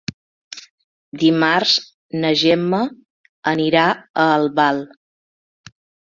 Dimarts na Gemma anirà a Albal.